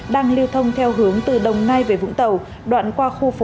đang lưu thông theo hướng từ đồng nai về vũng tàu đoạn qua khu phố